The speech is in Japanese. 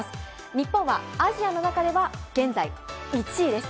日本はアジアの中では現在１位です。